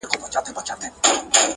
لهشاوردروميګناهونهيېدلېپاتهسي,